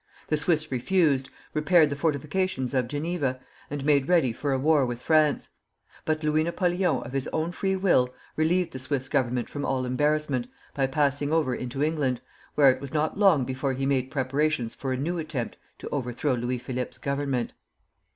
The Swiss refused, repaired the fortifications of Geneva, and made ready for a war with France; but Louis Napoleon of his own free will relieved the Swiss Government from all embarrassment by passing over into England, where it was not long before he made preparations for a new attempt to overthrow Louis Philippe's government.